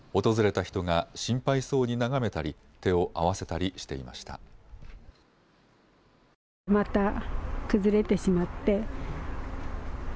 訪れた人が心配そうに眺めたり手を合わせたりしていました。